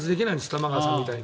玉川さんみたいに。